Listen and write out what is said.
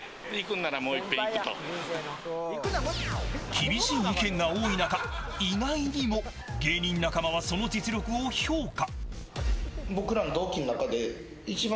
厳しい意見が多い中意外にも芸人仲間はその実力を評価。